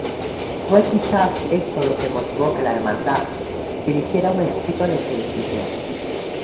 Fue quizás esto lo que motivo que la Hermandad dirigiera un escrito al Excmo.